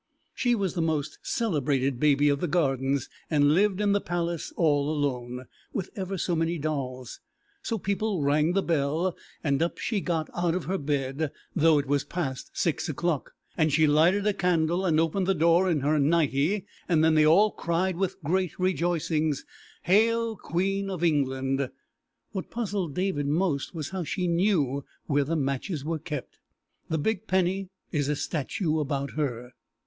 She was the most celebrated baby of the Gardens, and lived in the palace all alone, with ever so many dolls, so people rang the bell, and up she got out of her bed, though it was past six o'clock, and she lighted a candle and opened the door in her nighty, and then they all cried with great rejoicings, "Hail, Queen of England!" What puzzled David most was how she knew where the matches were kept. The Big Penny is a statue about her.